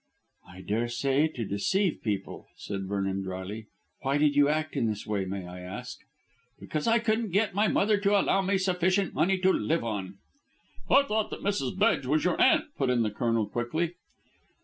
"I daresay, to deceive people," said Vernon drily. "Why did you act in this way, may I ask?" "Because I couldn't get my mother to allow me sufficient money to live on." "I thought that Mrs. Bedge was your aunt?" put in the Colonel quickly.